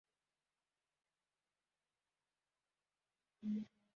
Abantu bane bacuranga ibikoresho kumuhanda